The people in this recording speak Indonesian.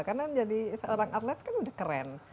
karena menjadi seorang atlet kan udah keren